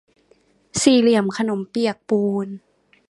สี่เหลี่ยมขนมเปียกปูน